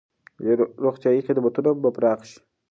روغتیايي خدمتونه به پراخ شي.